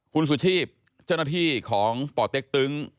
คุณสุชีพเจ้าหน้าที่ของป่อเต็กตึง